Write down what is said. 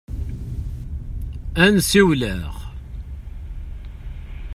Ad n-siwleɣ.